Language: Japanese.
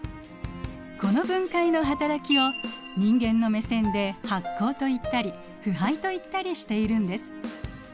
この分解の働きを人間の目線で発酵といったり腐敗といったりしているんです。